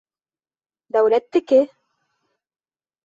Дәүләттеке.